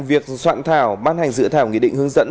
việc soạn thảo ban hành dự thảo nghị định hướng dẫn